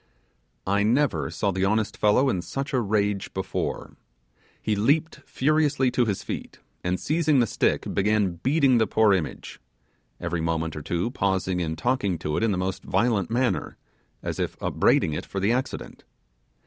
I never saw the honest fellow in such a rage before. He leaped furiously to his feet, and seizing the stick, began beating the poor image: every moment, or two pausing and talking to it in the most violent manner, as if upbraiding it for the accident.